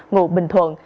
ngụ bình thuận